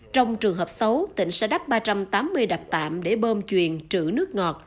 trong trường hợp xấu tỉnh sẽ đắp ba trăm tám mươi đạp tạm để bơm chuyền trữ nước ngọt